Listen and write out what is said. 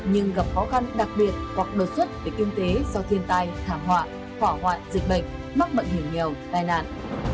nhưng gặp khó khăn đặc biệt hoặc đột xuất về kinh tế do thiên tai thảm họa hỏa hoạn dịch bệnh mắc bệnh hiểm nghèo tai nạn